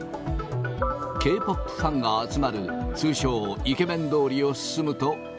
Ｋ−ＰＯＰファンが集まる、通称、イケメン通りを進むと。